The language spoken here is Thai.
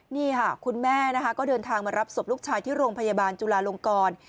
นี่ค่ะคุณแม่นะคะก็เดินทางมารับศพลูกชายที่โรงพยาบาลจุลาลงกร